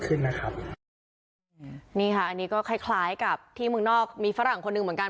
ขึ้นนะครับนี่ค่ะอันนี้ก็คล้ายคล้ายกับที่เมืองนอกมีฝรั่งคนหนึ่งเหมือนกัน